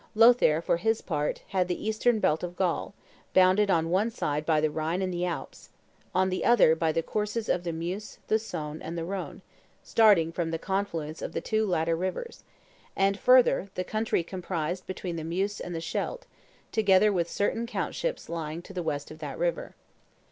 Lothaire, for his part, had the eastern belt of Gaul, bounded on one side by the Rhine and the Alps, on the other by the courses of the Meuse, the Saone, and the Rhone, starting from the confluence of the two latter rivers, and, further, the country comprised between the Meuse and the Scheldt, together with certain countships lying to the west of that river.